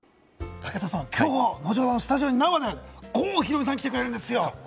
武田さん、きょうは後ほどスタジオに生で郷ひろみさん来てくれるんですよ。